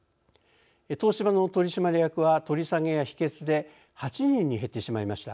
東芝の取締役は取り下げや否決で８人に減ってしまいました。